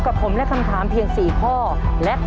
ขอบพระคุณมาก